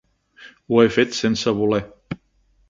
Ho he fet sense voler.